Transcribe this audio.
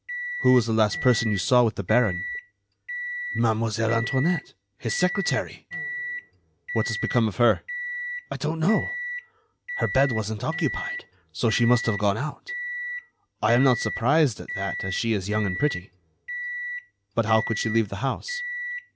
"Who was the last person you saw with the baron?" "Mademoiselle Antoinette, his secretary." "What has become of her?" "I don't know. Her bed wasn't occupied, so she must have gone out. I am not surprised at that, as she is young and pretty." "But how could she leave the house?"